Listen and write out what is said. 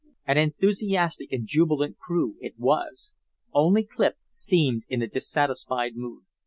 An enthusiastic and jubilant crew it was. Only Clif seemed in a dissatisfied mood.